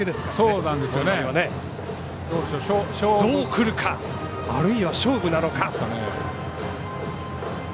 どう来るか、あるいは勝負か。